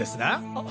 あっ。